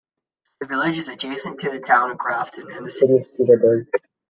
The village is adjacent to the Town of Grafton and the city of Cedarburg.